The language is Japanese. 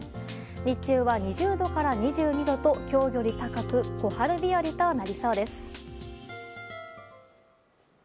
日中は２０度から２２度と今日より高く小春日和となりそうです。